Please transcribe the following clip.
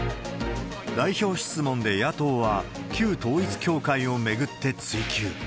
代表質問で野党は、旧統一教会を巡って追及。